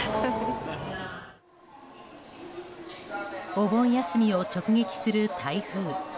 お盆休みを直撃する台風。